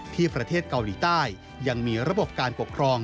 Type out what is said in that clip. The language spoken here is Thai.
ที่ประเทศเกาหลีใต้ยังมีระบบการปกครอง